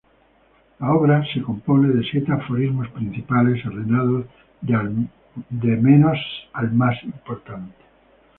La obra se compone de siete aforismos principales, ordenados del menos al más importante.